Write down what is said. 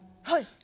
はい。